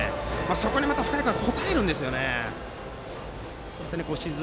そこに深谷君がまた応えるんですよね。